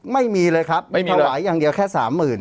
ไม่มีเลยครับถวายอย่างเดียวแค่๓๐๐๐๐